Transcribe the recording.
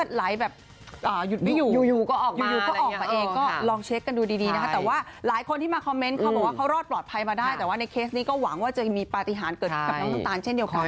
จะมีปฏิหารเกิดขึ้นกับน้องน้องตาลเช่นเดียวกัน